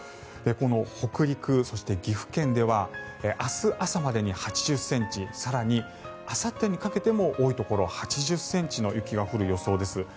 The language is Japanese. この北陸そして、岐阜県では明日朝までに８０ｃｍ更に、あさってにかけても多いところでは８０ｃｍの雪が降る予想です。